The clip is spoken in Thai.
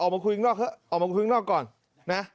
เอาคุยนอกเถอะมาคุยนอกก่อน